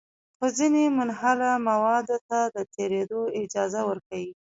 خو ځینې منحله موادو ته د تېرېدو اجازه ورکوي.